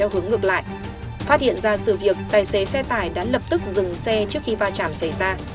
hướng ngược lại phát hiện ra sự việc tài xế xe tải đã lập tức dừng xe trước khi va chạm xảy ra